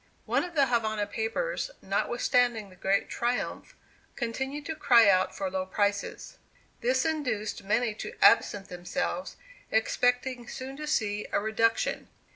One of the Havana papers, notwithstanding the great triumph, continued to cry out for low prices. This induced many to absent themselves, expecting soon to see a reduction.